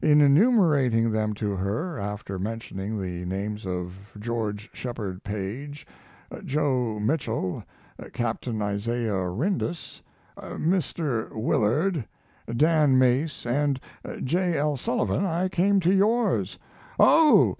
In enumerating them to her, after mentioning the names of Geo. Shepard Page, Joe Michell, Capt. Isaiah Ryndus, Mr. Willard, Dan Mace, and J. L. Sullivan, I came to yours. "Oh!"